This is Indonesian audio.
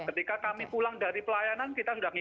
ketika kami pulang dari pelayanan kita sudah mengiri